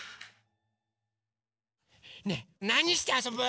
ねえなにしてあそぶ？